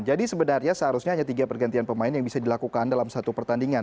jadi sebenarnya seharusnya hanya tiga pergantian pemain yang bisa dilakukan dalam satu pertandingan